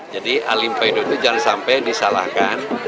jadi alim paido itu jangan sampai disalahkan